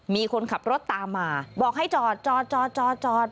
มีคนขับรถตามมาบอกให้จอดจอด